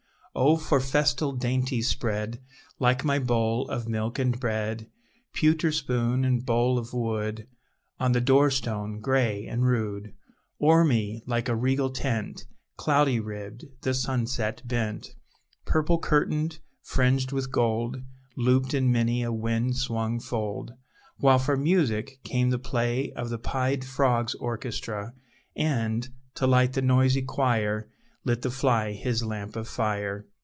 Oh for festal dainties spread, Like my bowl of milk and bread; Pewter spoon and bowl of wood, On the door stone, gray and rude! O'er me, like a regal tent, Cloudy ribbed, the sunset bent, Purple curtained, fringed with gold, Looped in many a wind swung fold; While for music came the play Of the pied frogs' orchestra; And, to light the noisy choir, Lit the fly his lamp of fire.